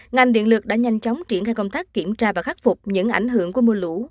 ngành điện lực đã nhanh chóng triển khai công tác kiểm tra và khắc phục những ảnh hưởng của mưa lũ